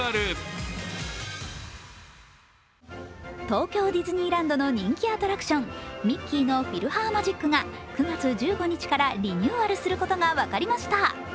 東京ディズニーランドの人気アトラクションミッキーのフィルハーマジックが９月１５日からリニューアルすることが分かりました。